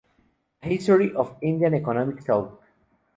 A History of Indian Economic Thought.